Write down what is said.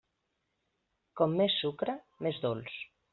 Com més sucre, més dolç.